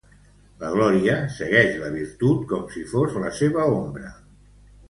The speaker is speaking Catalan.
La glòria segueix la virtut com si fos la seva ombra.